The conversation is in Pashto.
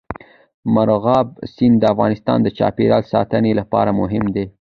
مورغاب سیند د افغانستان د چاپیریال ساتنې لپاره مهم دي.